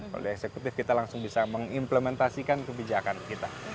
kalau di eksekutif kita langsung bisa mengimplementasikan kebijakan kita